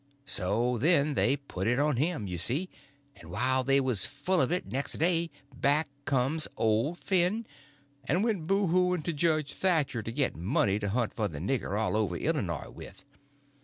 So then they put it on him, you see; and while they was full of it, next day, back comes old Finn, and went boo hooing to Judge Thatcher to get money to hunt for the nigger all over Illinois with.